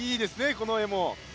この画も。